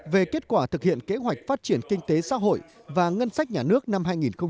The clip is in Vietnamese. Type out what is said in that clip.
về kết quả thực hiện kế hoạch phát triển kinh tế xã hội và ngân sách nhà nước năm hai nghìn một mươi chín